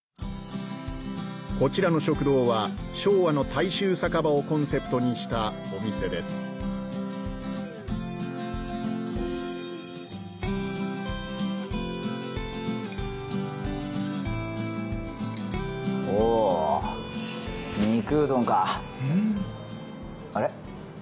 こちらの食堂は昭和の大衆酒場をコンセプトにしたお店ですオオッ肉うどんかあれ？